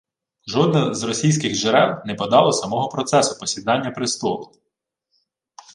Жодне з російських джерел не подало самого процесу посідання престолу